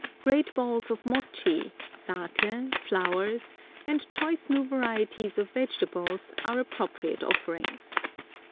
Great balls of mochi, saké, flowers, and choice new varieties of vegetables are appropriate offerings.